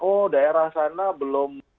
oh daerah sana belum